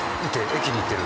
駅に行ってる。